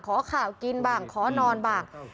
ขอข่าวกินบ้างขอนอนบ้าง